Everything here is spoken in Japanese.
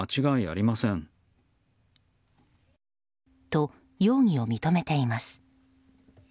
と、容疑を認めています。